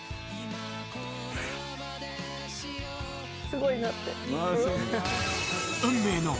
すごいなって。